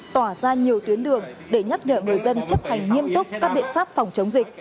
tỏa ra nhiều tuyến đường để nhắc nhở người dân chấp hành nghiêm túc các biện pháp phòng chống dịch